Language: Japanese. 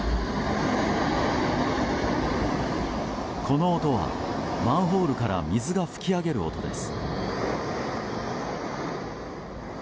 この音はマンホールから水が噴き上げる音です。